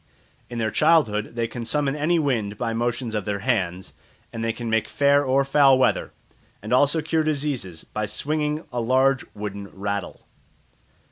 In their childhood they can summon any wind by motions of their hands, and they can make fair or foul weather, and also cure diseases by swinging a large wooden rattle.